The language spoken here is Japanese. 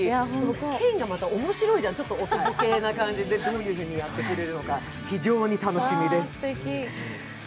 ケンがまた面白いじゃん、ちょっとオタク系な感じでどんなふうにやってくれるのか、非常に楽しみです。